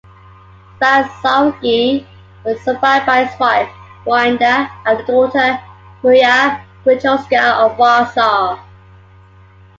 Spasowski was survived by his wife, Wanda, and a daughter, Maria Grochulska, of Warsaw.